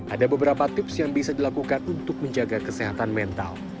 ada beberapa tips yang bisa dilakukan untuk menjaga kesehatan mental